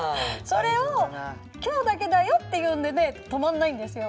それを今日だけだよっていうんでね止まんないんですよ。